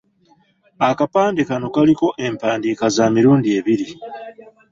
Akapande kano kaliko empandiika za mirundi ebiri.